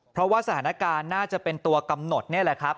เพราะว่าสถานการณ์น่าจะเป็นตัวกำหนดนี่แหละครับ